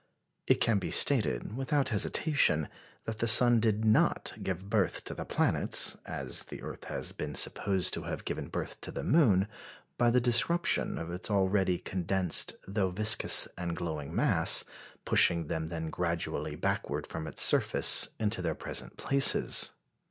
It can be stated without hesitation that the sun did not give birth to the planets, as the earth has been supposed to have given birth to the moon, by the disruption of its already condensed, though viscous and glowing mass, pushing them then gradually backward from its surface into their present places.